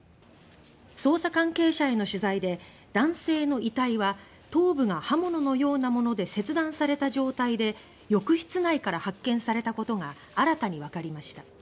捜査関係者への取材で男性の遺体は頭部が刃物のようなもので切断された状態で浴室内から発見されたことが新たにわかりました。